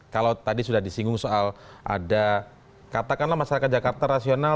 kalau tadi sudah disinggung soal ada katakanlah masyarakat jakarta rasional